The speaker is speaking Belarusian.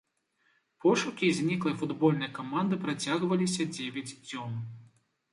Пошукі зніклай футбольнай каманды працягваліся дзевяць дзён.